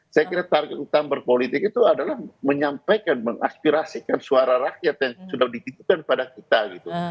saya kira target utama berpolitik itu adalah menyampaikan mengaspirasikan suara rakyat yang sudah dititipkan pada kita gitu